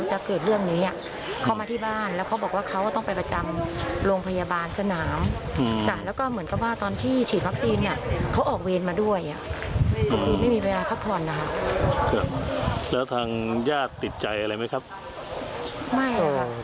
แล้วทางญาติติใจอะไรไหมครับไม่ไม่ติดใจอะไร